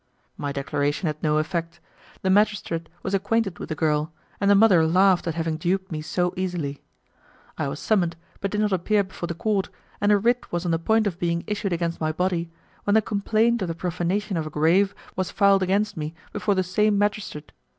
My declaration had no effect. The magistrate was acquainted with the girl, and the mother laughed at having duped me so easily. I was summoned, but did not appear before the court, and a writ was on the point of being issued against my body, when the complaint of the profanation of a grave was filed against me before the same magistrate.